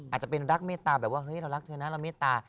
อาจจะรักเมตตาแบบว่าเรารักเธอนะเราเมตตา